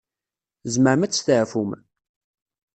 Tzemrem ad testeɛfum.